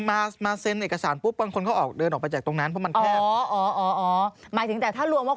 อะไรคือเข้าเข้าออกออก